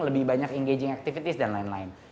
lebih banyak engaging activities dll